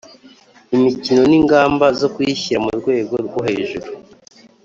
imikino n ingamba zo kuyishyira mu rwego rwo hejuru